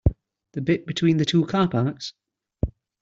The bit between the two car parks?